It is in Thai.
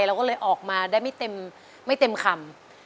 เราก็เลยออกมาได้ไม่เต็มคำ